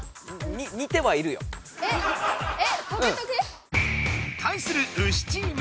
えっ？トゲトゲ？対するウシチーム。